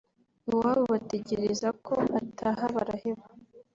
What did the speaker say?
iwabo bategereza ko ataha baraheba